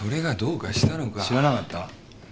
知らなかった？